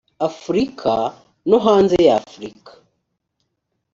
afurika no hanze y’afurika